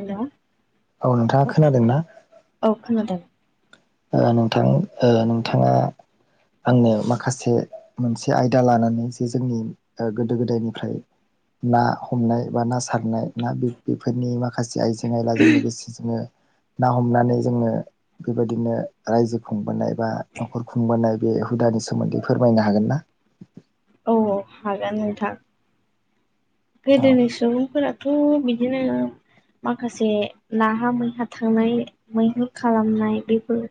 Hello औ नोंथाङा खोनादोंना? औ खोनादों। नोंथां नोंथाङा आंनो माखासे मोनसे आयदा लानानै जे जोंनि गोदो गोदायनिफ्राय ना हमनाय बा ना सारनाय ना बे बेफोरनि माखासे आयजें नायलाजों लोगोसे जोङो ना हमनानै जोङो बेबायदिनो रायजो खुंबोनाय बा न'खर खुंबोनाय बे हुदानि सोमोन्दै फोरमायनो हागोन ना? औ औ हागोन नोंथां औ गोदोनि सुबुंफोरा थ' बिदिनो माखासे नाहा मैहा थांनाय मैहुर खालामनाय बेफोर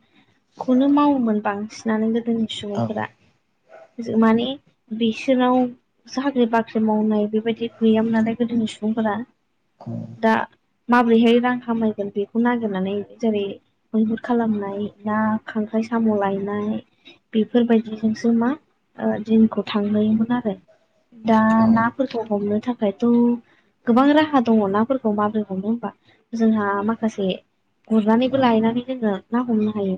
खौनो मावोमोन बांसिनानो गोदोनि औ सुबुंफोरा माने बिसोराव साख्रि बाख्रि मावनाय बेबायदि गैयामोन नालाय गोदोनि सुबुंफोरा [inaudible] दा माबोरैहाय रां खामायगोन बेखौ नागिरनानै जेरै मैहुर खालामनाय ना खांख्राइ साम' लायनाय बेफोरबायदिजोंसो मा ओ दिनखौ थांहयोमोन आरो दा औ नाफोरखौ हमनो थाखायथ' गोबां राहा दङ नाफोरखौ माबोरै हमनो होमबा जोंहा माखासे गुरनानैबो लायनानै जोङो ना हमनो हायो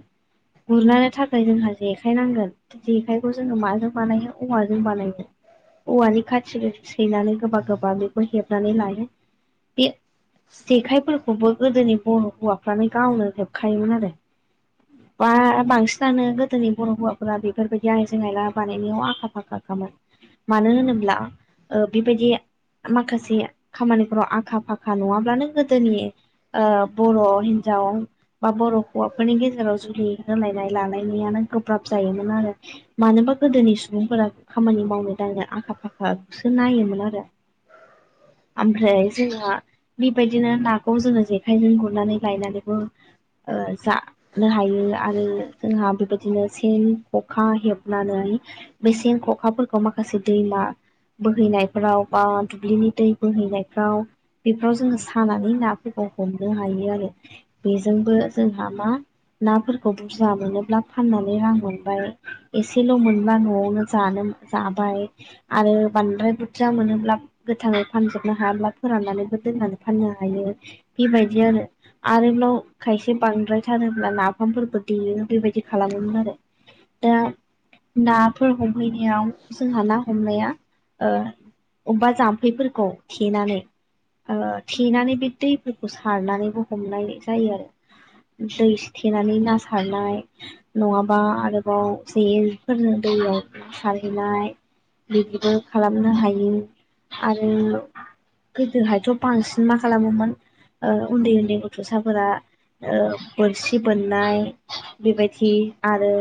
गुरनो थाखाय जोंहा जेखाय नांगोन जेखायखौ जोङो माजों बानायो औवाजों बानायो औवानि खाथिफोर सैनानै गोबा गोबा बेखौ हेबनानै लायो बे जेखायफोरखौबो गोदोनि बर' हौवाफ्रानो गावनो हेबखायोमोन आरो बा बांसिनानो गोदोनि बर' हौवाफोरा बेफोरबायदि आय आइजें आइला बानायनायाव आखाफाखामोन मानो होनोब्ला बेबायदि माखासे खामानिफोराव आखा फाखा नङाब्लानो गोदोनि ओ बर' हिन्जाव बा बर' हौवाफोरनि गेजेराव जुलि होलायनाय लालायनायानो गोब्राब जायोमोन आरो मानोबा गोदोनि सुबुंफोरा खामानि मावनो दांनो आखा फाखाखौसो नायोमोन आरो ओमफ्राय जोंहा बेबायदिनो नाखौ जोङो जेखायजों गुरनानै लायनानैबो जानो हायो आरो जोंहा बेबायदिनो सेन खखा हेब नानै बे सेन ख'खाफोरखौ माखासे दैमा बोहैनायफोराव बा दुब्लिनि दै बोहैनायफ्राव बेफोराव जोङो सानानै नाफोरखौ हमनो हायो आरो बेजोंबो जोंहा मा नाफोरखौ बुरजा मोनोब्ला फाननानै रां मोनबाय एसेल' मोनबा न'आवनो जानो जाबाय आरो बांद्राय बुरजा मोनोब्ला गोथाङै फानजोबनो हायाब्ला फोराननानैबो दोननानै फाननो हायो बेबायदि आरो आरोबाव खायसे बांद्राय थारोब्ला नाफामफोरखौ देयो बेबायदि खालामोमोन आरो दा नाफोर हमहैनायाव जोंहा ना हमनाया अबेबा जाम्फैफोरखौ थेनानै ओ थेनानै बे दैफोरखौ सारनानैबो हमनाय जायो आरो दै थेनानै ना सारनाय नङाबा आरोबाव जेनफोरनो दैयाव सारहैनाय बिदिबो खालामनो हायो आरो गोदोहायथ' बांसिन मा खालामोमोन ओ उन्दै उन्दै गथ'साफोरा ओ बोरसि बोननाय बेबायदि आरो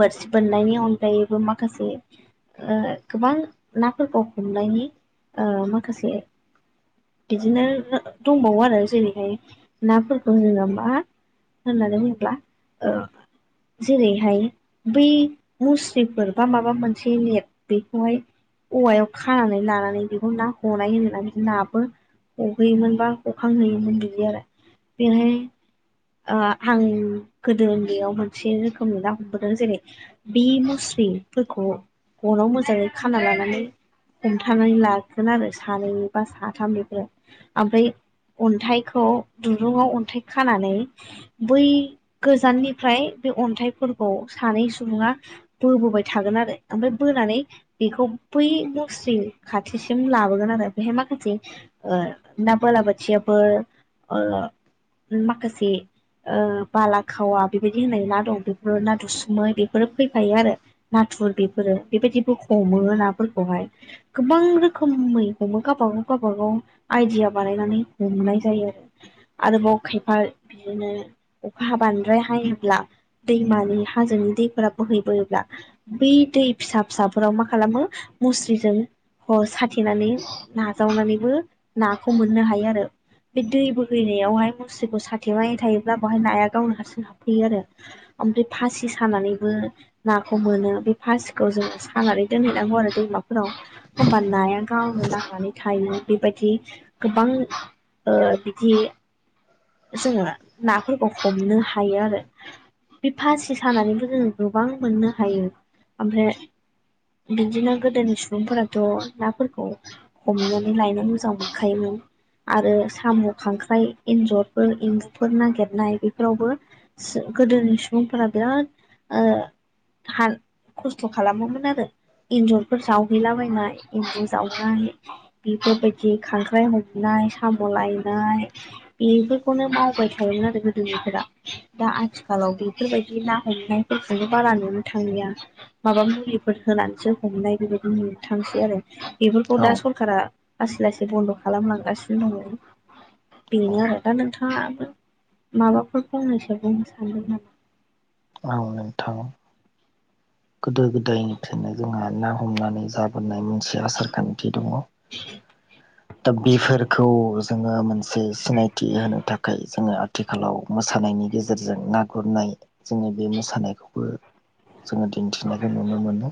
बोरसि बोननायनि अनगायैबो माखासे ओ गोबां नाफोरखौ हमनायनि ओ माखासे बिदिनो दंबावो आरो जेरैहाय नाफोरखौ जोङो मा होननानै बुङोब्ला ओ जेरैहाय बै मुस्रिफोर बा माबा मोनसे नेट बेखौहाय औवायाव खानानै लानानै बेखौ ना हनाय होननानै बि नाबो हहैयोमोन बा हखांहैयोमोन बिदि आरो बेहाय ओ आं गोदो उन्दैयाव मोनसे रोखोमनि ना बोदोदों जेरै बे मुस्रिफोरखौ गनाव मोजाङै खाना लानानै हमथानानै लागोन आरो सानैनि बा साथाम बेफोर ओमफ्राय अन्थाइखौ दुरुंङाव अन्थाइ खानानै बै गोजाननिफ्राय बे अन्थाइफोरखौ सानै सुबुङा बोबोबाय थागोन आरो ओमफ्राय बोनानै बेखौ बै मुस्रि खाथिसिम लाबोगोन आरो बेहाय माखासे ओ ना बालाबाथियाफोर ओ माखासे ओ बालाखावा बेबायदि होनाय ना दं बे बो ना दुसुमै बेफोरो फैफायो आरो नाथुर बेफोरो बेबायदिबो हमो नाफोरखौहाय गोबां रोखोमै हमो गाबागाव गाबागाव आइदिया बानायनानै हमनाय जायो आरो आरोबाव खायफा बिदिनो अखा बांद्राय हायोब्ला दैमानि हाजोनि दैफोरा बोहैबोयोब्ला बै दै फिसा फिसाफोराव मा खालामो मुस्रिजों अ साथेनानै नाजावनानैबो नाखौ मोननो हायो आरो बे दै बोहैनायावहाय मुस्रिखौ साथेबाय थायोब्ला बेवहाय नाया गावनो हारसिं हाबफैयो आरो ओमफ्राय फासि सानानैबो नाखौ मोनो बे फासिखौ जों सानानै दोनहैनांगौ आरो दैमाफोराव होमबा नाया गावनो नांनानै थायो बेबायदि गोबां ओ बिदि जोङो नाफोरखौ हमनो हायो आरो बे फासि सानानैबो जोङो गोबां मोननो हायो ओमफ्राय बिदिनो गोदोनि सुबुंफोराथ' नाफोरखौ हमनानै लायनानै जावखायोमोन। आरो साम', खांख्राइ, एन्जरफोर, एम्बुफोर नागिरनाय बेफोरावबो सो गोदोनि सुबुंफोरा बिराद ओ खार खस्थ' खालामोमोन आरो एन्जरफोर जावहैलाबायनाय एन्जर जावनानै बेफोरबायदि खांख्राइ हमनाय, साम' लायनाय बेफोरखौनो मावबाय थायोमोन आरो गोदोनिफोरा दा आथि आथिखालाव बेफोरबायदि ना हमनायफोरखौनो बारा नुनो थांलिया माबा मुलिफोर होनानैसो हमनाय बेबायदि मोनथांसै आरो बेफोरखौ औ दा सरखारा लासै लासै बन्द' खालामलांगासिनो दङ औ बेनो आरो दा नोंथाङाबो माबाफोर फंनैसो बुंनो सानदों नामा? औ नोंथां। गोदो गोदायनिफ्रायनो जोंहा ना हमनानै जाबोनाय मोन से आसार खान्थि दङ दा बेफोरखौ जोङो मोनसे सिनायथि होनो थाखाय जोङो आथि आथिखालाव मोसानायनि गेजेरजों ना गुरनाय जोङो बे मोसानायखौबो जोङो दि दिन्थिनायखौ नुनो मोनो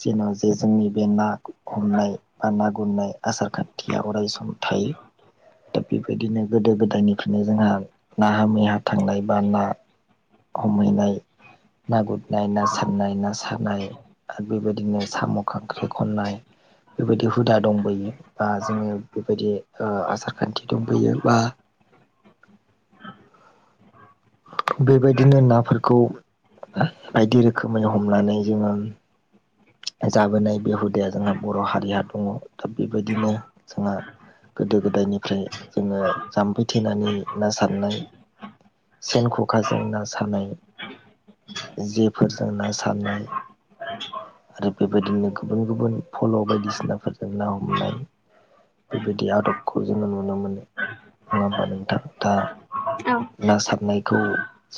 जेना जे जोंनि बे ना हमनाय बा ना गुरनाय आसार खान्थिया अराय सम थायो दा बेबायदिनो गोदो गोदायनिफ्रायनो जोंहा नाहा मैहा थांनाय बा ना हमहैनाय ना गुरनाय ना सार नाय ना सारनाय आरो बेबायदिनो साम' खांख्राइ खननाय बेबायदि हुदा दंबोयो बा जोङो बेबायदि ओ आसार खान्थि दंबोयो बा बेबायदिनो नाफोरखौ बायदि रोखोमै हमनानै जोङो जाबोनाय बे हुदाया जोंहा बर' हारिया दङ' दा बेबायदिनो जोंहा गोदो गोदायनिफ्राय जोङो जाम्फै थेनानै ना सारनाय सेन ख'खाजों ना सानाय जेफोरजों ना सारनाय आरो बेबायदिनो गुबुन गुबुन फल' बायदिसिनाफोरजों ना हमनाय। बेबायदि आदबखौ जोङो नुनो मोनो नङा हबा नोंथां? दा ओं। ना सारनायखौ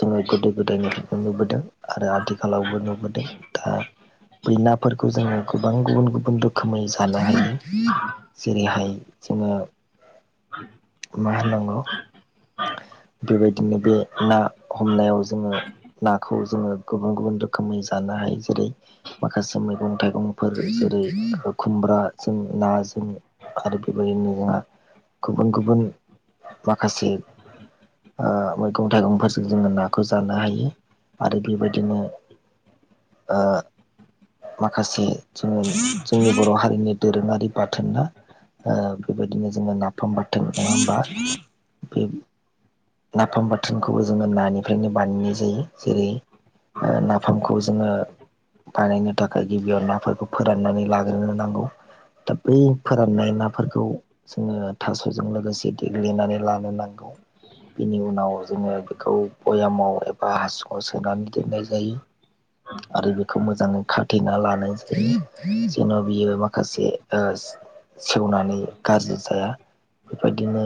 जोङो गोदो गोदायनिफ्रायबो नुबोदों आरो आथिखालावबो नुबोदों दा बै नाफोरखौ जोङो गोबां गुबुन गुबुन रोखोमै जानो हायो। जेरैहाय जोङो मा होननांगौ बेबायदिनो बे ना हमनायाव जोङो नाखौ जोङो गुबुन गुबुन रोखोमै जानो हायो जेरै माखासे मैगं' थाइगं'फोर जेरै खुमब्राजों नाजों आरो बेबायदिनो जोंहा गुबुन गुबुन माखासे ओ मैगं' थाइगं'फोरजों जोङो नाखौ जानो हायो आरो बेबायदिनो ओ माखासे जोङो जोंनि बर' हारिनि दोरोङारि बाथोन ना? ओ बेबायदिनो जोङो नाफाम बाथाय नङा होमबा? बे नाफाम बाथोनखौबो जोङो नानिफ्रायनो बानायनाय जायो जेरै ओ नाफामखौ जोङो बानायनो थाखाय गिबियाव नाफोरखौ फोराननानै लाग्रो नांगौ। दा बै फोराननाय नाफोरखौ जोङो थास'जों लोगोसे देग्लिनानै लानो नांगौ। बिनि उनाव जोङो बेखौ बयामाव एबा हासुङाव सोनानै दोननाय जायो। आरो बेखौ मोजाङै खाथेना लानाय जायो जेनेबा बियो माखासे सेवनानै गाज्रि जाया बेबायदिनो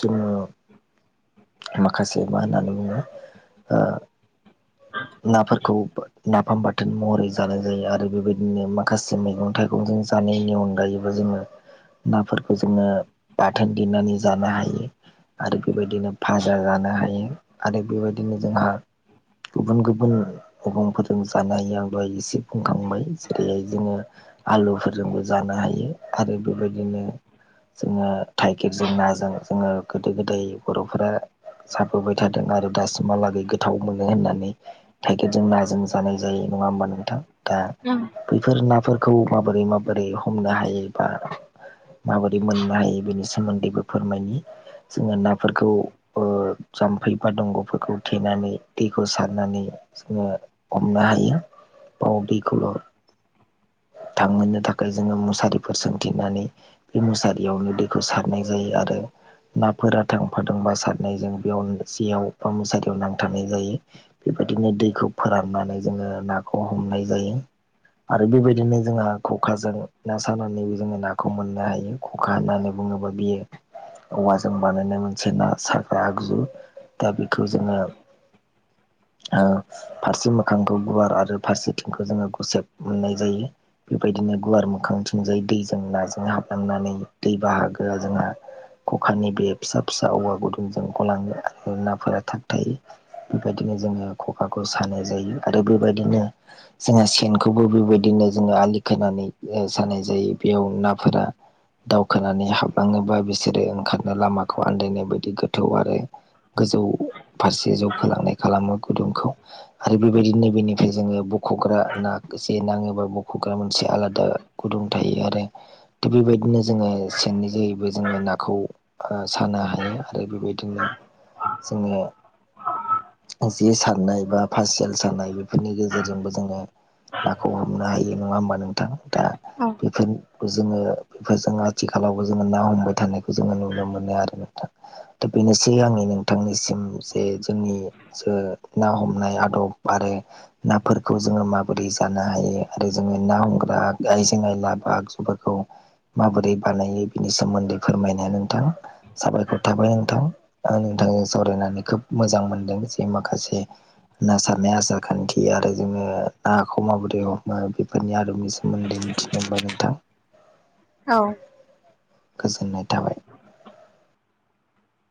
जोङो माखासे मा होननानै बुङो ओ नाफोरखौ नाफाम बाथोन महरै जानाय जायो आरो बेबायदिनो माखासे मैगं' थाइगं' [unintelligible] जानायनि अनगायैबो जोङो नाफोरखौ जोङो बाथोन देनानै जानो हायो। आरो बेबायदिनो फाजा जानो हायो आरो बेबायदिनो जोंहा गुबुन गुबुन मैगं'फोरजों जानो हायो आं दहाय एसे बुंखांबाय जेरैहाय जोङो आलुफोरजोंबो जानो हायो आरो बेबायदिनो जोङो थाइगिरजों नाजों जोङो गोदो गोदाय बर'फोरा जाबोबाय थादों आरो दासिमहालागै गोथाव मोनो होननानै नै थाइगिरजों नाजों जानाय जायो नङा होमबा नोंथां। दा [unintelligible] बैफोर नाफोरखौ माबोरै माबोरै हमनो हायो बा माबोरै मोननो हायो बेनि सोमोन्दैबो फोरमायनि। जोङो नाफोरखौ ओ जाम्फै बा दंग'फोरखौ थेनानै दै बो सारनानै जोङो हमनो हायो बाव दैखौल' थांहोनो थाखाय जोङो मुसारिफोर सोंथिनानै बे मुसारियावनो दैखौ सारनाय जायो आरो नाफोरा थांफादोंबा सारनायजों बेयाव जेयाव बा मुसारियाव नांथानाय जायो। बेबायदिनो दैखौ फोराननानै जोङो नाखौ हमनाय जायो। आरो बेबायदिनो जोंहा खखाजों ना सानानैबो जोङो नाखौ मोननो हायो। खखा होननानै बुङोबा बियो औवाजों बानायनाय मोनसे ना सारग्रा आगजु दा बेखौ जोङो ओ फारसे मोखांखौ गुवार आरो फारसेथिंखौ जोङो गुसेब मोननाय जायो। बेबायदिनो गुवार मोखांथिजाय दैजों नाजों हाबलांनानै दै बाहागोआ जोंहा खखानि बे फिसा फिसा औवा गुदुंजों गलाङो ओ नाफोरा थाबथायो। बेबायदिनो जोङो खखाखौ सानाय जायो आरो बेबायदिनो जोङो सेनखौबो बेबायदिनो जोङो आलि खोनानै सानाय जायो बेयाव नाफोरा दावखोनानै हाबलाङोबा बिसोरो ओंखारनो लामाखौ आन्दायनाय बायदि गोथौ आरो गोजौ फारसे जौखोलांनाय खालामो गुदुंखौ। आरो बेबायदि नैबेनिफ्राय जोङो बख'ग्रा ना जे नाङोबा बख'ग्रा मोनसे आलादा गुदुं थायो आरो थिग बेबायदिनो जोङो सेननि जोहैबो जोङो नाखौ ओ सानो हायो आरो बेबायदिनो जोङो जे सारनाय बा फासियाल सानाय बेफोरनि गेजेरजोंबो जोङो नाखौ हमनो हायो नङा होमबा नोंथां दा औ बेफोरनि खौ जोङो बेफोरजों आथिखालावबो जोङो ना हमबाय थानायखौ जोङो नुनो मोनो आरो नोंथां। दा बेनोसै आंनि नोंथांनिसिम जे जोंनि जो ना हमनाय आदब आरो नाफोरखौ जोङो माबोरै जानो हायो आरो जोङो ना हमग्रा आइजें आइला बा आगजुफोरखौ माबोरै बानायो बिनि सोमोन्दै फोरमायनाया नोंथां। साबायखर थाबाय नोंथां आं नोंथांजों सावरायनानै खोब मोजां मोनदों जे माखासे ना सारनाय आसार खान्थि आरो जोङो नाखौ माबोरै हमो बेफोरनि आदबनि सोमोन्दै मिथिनो मोनबाय नोंथां। औ गोजोननाय थाबाय।